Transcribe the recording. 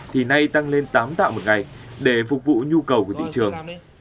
thì nay tăng lên tám tạo mỗi ngày để phục vụ nhu cầu của thị trường